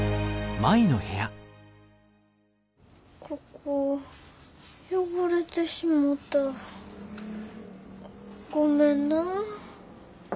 ここ汚れてしもたごめんな。